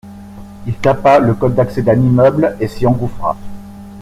Il tapa le code d’accès d’un immeuble et s’y engouffra.